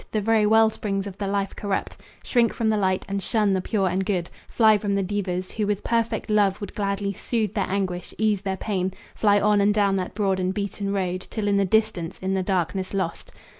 The very well springs of the life corrupt, Shrink from the light and shun the pure and good, Fly from the devas, who with perfect love Would gladly soothe their anguish, ease their pain, Fly on and down that broad and beaten road, Till in the distance in the darkness lost.